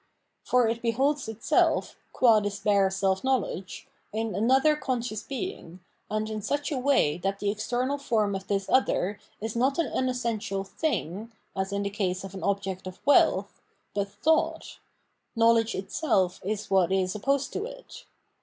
For it beholds itself, qua this bare self knowledge, in another conscious being, and in such a w'ay that the external form of this other is not an unessential ''thing," as in the case of an object of wealth, but thought ; knowledge itself is what is opposed to it.